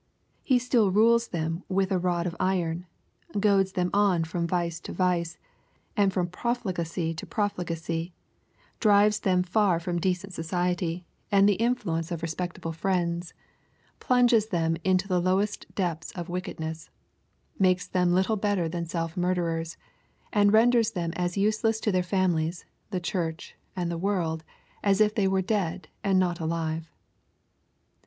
He still rules many with a rod of iron, — goads them on from vice to vice, and from profligacy to profli gacy,— drives them far from decent society, and the influ* 268 EXPOSITORY THOUGHTS. ence of respectable friends, — ^plunges them into the low est depths of wickedness, — makes them little bettei than self murderers, — ^and renders them as useless to their families, the Church, and the world, as if they were dead, and not alive.